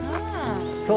そう！